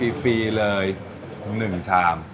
ให้ฟรีเลยหนึ่งชาม